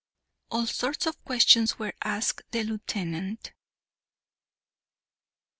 All sorts of questions were asked the lieutenant.